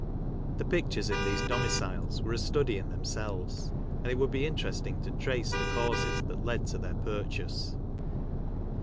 The pictures in these domiciles were a study in themselves, and it would be interesting to trace the causes that led to their purchase.